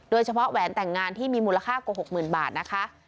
แหวนแต่งงานที่มีมูลค่ากว่า๖๐๐๐บาทนะคะ